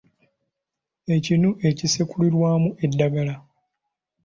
Ekinu ekisekulirwamu eddagala.